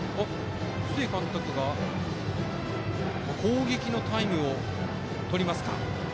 須江監督が、攻撃のタイムをとりますか。